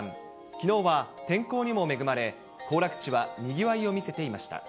きのうは、天候にも恵まれ、行楽地はにぎわいを見せていました。